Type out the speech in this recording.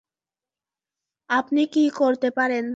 আপনি কি করতে পারেন?